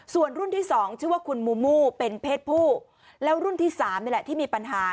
ส่วนรุ่นที่สองชื่อว่าคุณมูมูเป็นเพศผู้แล้วรุ่นที่๓นี่แหละที่มีปัญหา